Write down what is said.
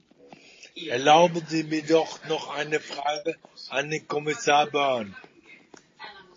Erlauben Sie mir doch noch eine Frage an den Kommissar Byrne.